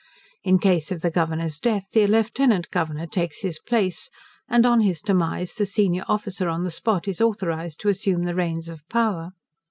In case of the Governor's death, the Lieutenant Governor takes his place; and on his demise, the senior officer on the spot is authorised to assume the reins of power.